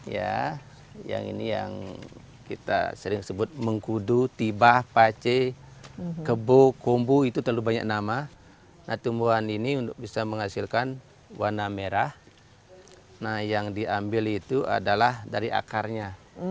ya yang ini yang kita sering sebut mengkudu tiba pace kebo kumbu itu terlalu banyak nama nah tumbuhan ini untuk bisa menghasilkan warna merah nah yang diambil itu adalah dari akarnya